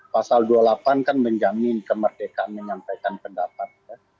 pasal dua puluh delapan kan menjamin kemerdekaan menyampaikan pendapat